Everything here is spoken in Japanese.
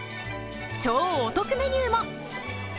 超お得メニューも。